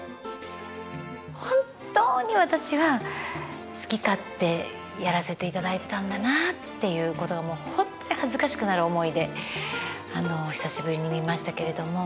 本当に私は好き勝手やらせていただいてたんだなっていうことが本当に恥ずかしくなる思いで久しぶりに見ましたけれども。